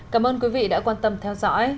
cảm ơn quý vị đã quan tâm theo dõi